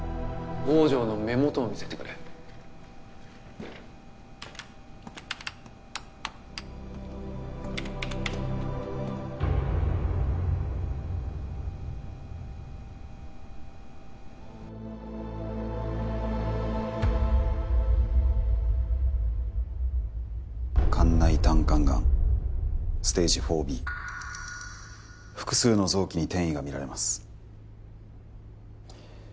坊城の目元を見せてくれ肝内胆管癌ステージⅣＢ複数の臓器に転移が見られます